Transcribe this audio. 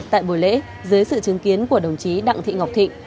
tại buổi lễ dưới sự chứng kiến của đồng chí đặng thị ngọc thịnh